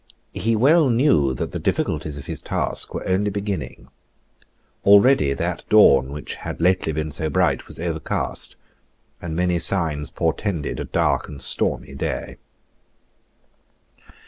He well knew that the difficulties of his task were only beginning. Already that dawn which had lately been so bright was overcast; and many signs portended a dark and stormy day.